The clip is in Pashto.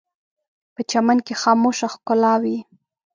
په چمن کې خاموشه ښکلا وي